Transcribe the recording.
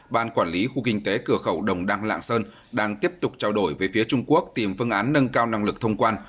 ban quản lý khu kinh tế cửa khẩu đồng đăng lạng sơn đang tiếp tục trao đổi với phía trung quốc tìm phương án nâng cao năng lực thông quan